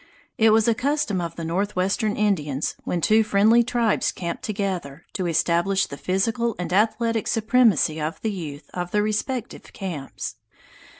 It was a custom of the northwestern Indians, when two friendly tribes camped together, to establish the physical and athletic supremacy of the youth of the respective camps.